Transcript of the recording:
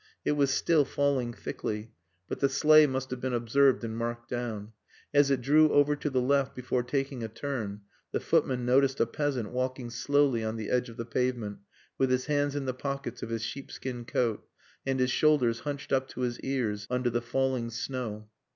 It was still falling thickly. But the sleigh must have been observed and marked down. As it drew over to the left before taking a turn, the footman noticed a peasant walking slowly on the edge of the pavement with his hands in the pockets of his sheepskin coat and his shoulders hunched up to his ears under the falling snow.